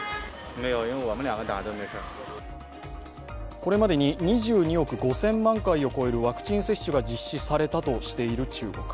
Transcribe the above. これまでに２２億５０００万回を超えるワクチン接種が実施されたとしている中国。